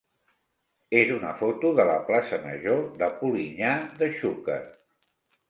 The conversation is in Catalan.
és una foto de la plaça major de Polinyà de Xúquer.